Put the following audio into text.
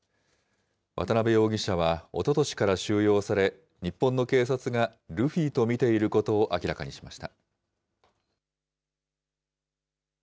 渡邉容疑者はおととしから収容され、日本の警察がルフィと見ていることを明らかにしました。